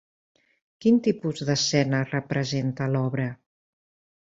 Quin tipus d'escena representa l'obra?